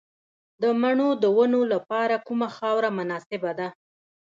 د مڼو د ونو لپاره کومه خاوره مناسبه ده؟